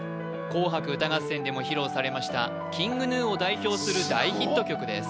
紅白歌合戦でも披露されましたＫｉｎｇＧｎｕを代表する大ヒット曲です